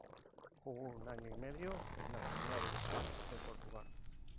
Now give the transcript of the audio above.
Jugó un año y medio en la Primera División de Portugal.